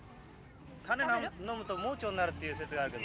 種飲むと盲腸になるっていう説があるけど。